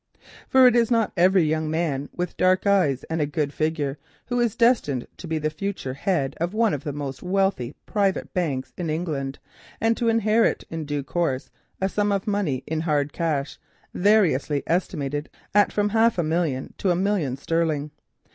For it is not every young man with dark eyes and a good figure who is destined to be the future head of one of the most wealthy private banks in England, and to inherit in due course a sum of money in hard cash variously estimated at from half a million to a million sterling.